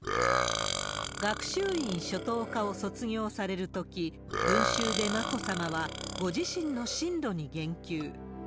学習院初等科を卒業されるとき、文集で眞子さまは、ご自身の進路に言及。